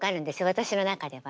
私の中では。